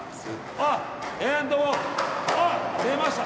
あっ出ました！